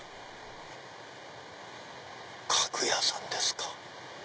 家具屋さんですか？